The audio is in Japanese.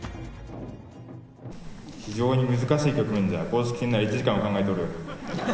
非常に難しい局面じゃ、公式戦なら１時間は考えておる。